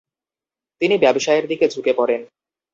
তিনি ব্যবসায়ের দিকে ঝুঁকে পড়েন।